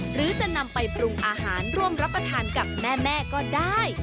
หรือจะนำไปปรุงอาหารร่วมรับประทานกับแม่ก็ได้